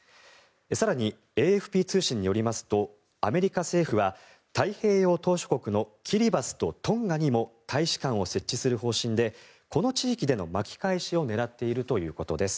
更にＡＦＰ通信によりますとアメリカ政府は太平洋島しょ国のキリバスやトンガにも大使館を設置する方針でこの地域での巻き返しを狙っているということです。